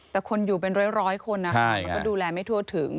แต่คนอยู่เป็นร้อยคนนะคะมันก็ดูแลไม่ทั่วถึง